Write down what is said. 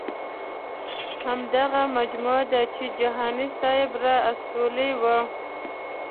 همدغه مجموعه ده چې جهاني صاحب را استولې وه.